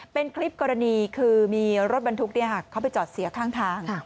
เป็นคลิปกรณีคือมีรถบรรทุกเขาไปจอดเสียข้างทาง